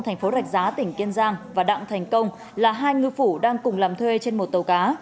thành phố rạch giá tỉnh kiên giang và đặng thành công là hai ngư phủ đang cùng làm thuê trên một tàu cá